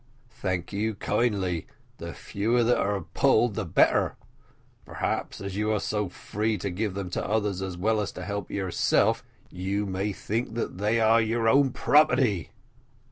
"Thank you kindly the fewer that are pulled the better; perhaps, as you are so free to give them to others as well as to help yourself, you may think that they are your own property!"